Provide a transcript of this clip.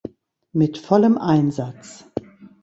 Mit vollem Einsatz!